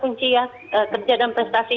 kunci ya kerja dan prestasi